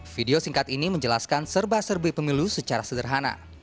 video singkat ini menjelaskan serba serbi pemilu secara sederhana